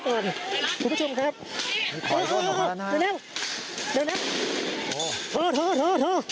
โอ้โห